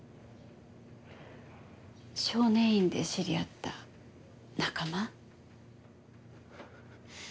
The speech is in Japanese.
少年院で知り合った仲間？